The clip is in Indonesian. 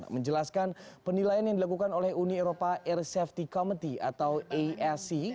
menjelaskan penilaian yang dilakukan oleh uni eropa air safety committee atau arc